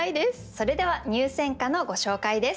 それでは入選歌のご紹介です。